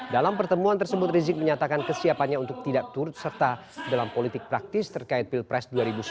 dalam pertemuan tersebut rizik menyatakan kesiapannya untuk tidak turut serta dalam politik praktis terkait pilpres dua ribu sembilan belas